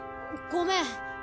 ごめん。